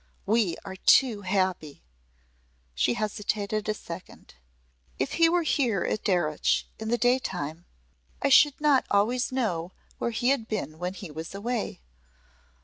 We are too happy." She hesitated a second. "If he were here at Darreuch in the daytime I should not always know where he had been when he was away.